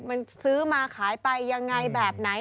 มันซื้อมาขายไปยังไงแบบไหน